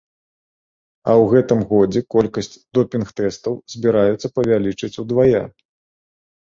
А ў гэтым годзе колькасць допінг тэстаў збіраюцца павялічыць удвая.